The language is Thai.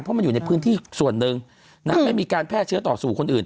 เพราะมันอยู่ในพื้นที่ส่วนหนึ่งไม่มีการแพร่เชื้อต่อสู่คนอื่น